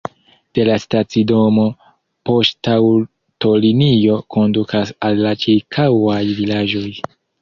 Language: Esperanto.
De la stacidomo poŝtaŭtolinio kondukas al la ĉirkaŭaj vilaĝoj.